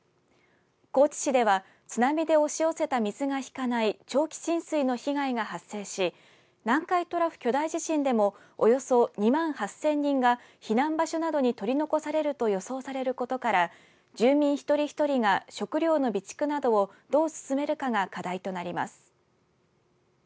高知市では、津波で押し寄せた水が引かない長期浸水の被害が発生し南海トラフ巨大地震でもおよそ２万８０００人が避難場所などに取り残されると予想されることから住民ひとりひとりが食料の備蓄などをどう進めるかが課題となります。